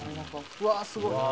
うわっすごい！